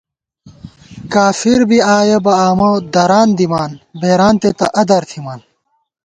کافر بی آیَہ بہ آمہ ، دران دِمان، بېرانتےتہ ادَر تھِمان